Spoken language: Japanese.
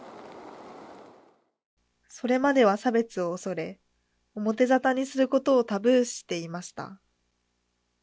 それまでは差別を恐れ表沙汰にすることをタブー視していました。